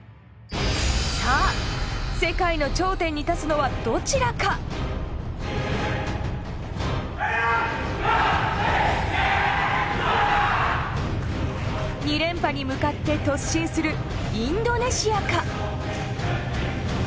さあ世界の頂点に立つのはどちらか⁉２連覇に向かって突進するインドネシアか？